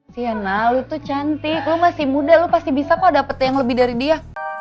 sienna lu tuh cantik lo masih muda lo pasti bisa kok dapetnya yang lebih dari dia